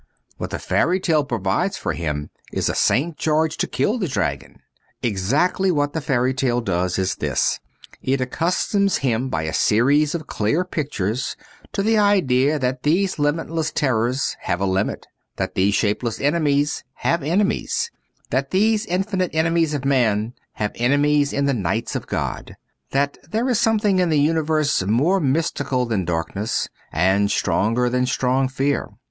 What the fairy tale provides for him is a St. George to kill the dragon. Exactly what the fairy tale does is this : it accus toms him by a series of clear pictures to the idea that these limitless terrors have a limit, that these shapeless enemies have enemies, that these infinite enemies of man have enemies in the knights of God, that there is something in the universe more mystical than darkness, and stronger than strong fear.